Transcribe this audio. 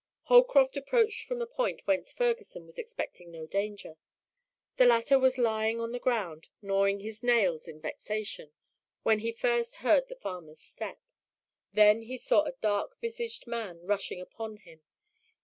Holcroft approached from a point whence Ferguson was expecting no danger. The latter was lying on the ground, gnawing his nails in vexation, when he first heard the farmer's step. Then he saw a dark visaged man rushing upon him.